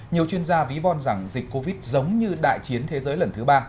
nhiều chuyên gia ví von rằng dịch covid giống như đại chiến thế giới lần thứ ba